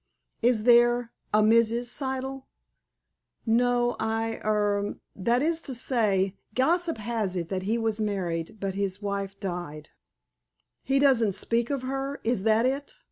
"Is there—a Mrs. Siddle?" "No. I—er—that is to say, gossip has it that he was married, but his wife died." "He doesn't speak of her? Is that it?